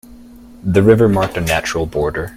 The river marked a natural border.